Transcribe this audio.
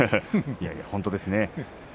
本当ですね。